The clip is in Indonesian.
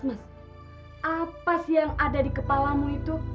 mas apa sih yang ada di kepalamu itu